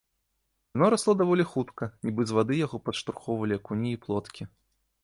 Яно расло даволі хутка, нібы з вады яго падштурхоўвалі акуні і плоткі.